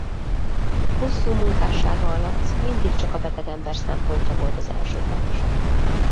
Hosszú munkássága alatt mindig csak a beteg ember szempontja volt az elsődleges.